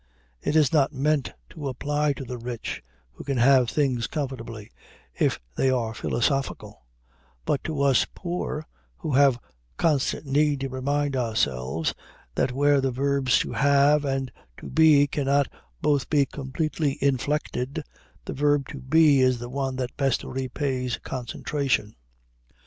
It is not meant to apply to the rich, who can have things comfortably, if they are philosophical; but to us poor, who have constant need to remind ourselves that where the verbs to have and to be cannot both be completely inflected, the verb to be is the one that best repays concentration.